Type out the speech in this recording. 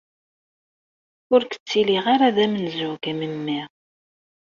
Ur k-ttili ara d amenzug, a memmi!